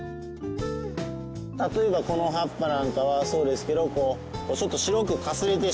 例えばこの葉っぱなんかはそうですけどこうちょっと白くかすれてしまう。